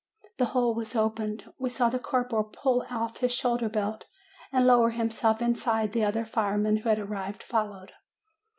"The hole was opened. We saw the corporal pull off his shoulder belt and lower himself inside: the other firemen, who had arrived, followed.